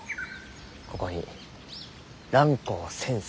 ここに蘭光先生